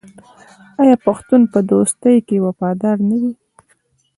آیا پښتون په دوستۍ کې وفادار نه وي؟